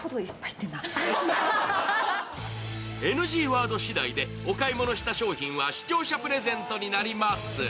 ＮＧワードしだいでお買い物した商品は視聴者プレゼントになります。